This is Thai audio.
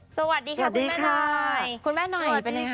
สวัสดีค่ะคุณแม่หน่อย